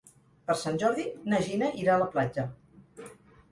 Per Sant Jordi na Gina irà a la platja.